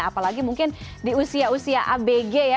apalagi mungkin di usia usia abg ya